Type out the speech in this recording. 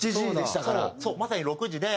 まさに６時で。